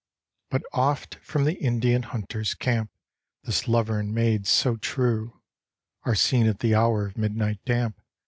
But oft from the Indian hunter's camp. This lover and maid so true, Are seen at the hour of midnight damp.